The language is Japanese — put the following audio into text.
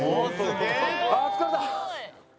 ああ疲れた！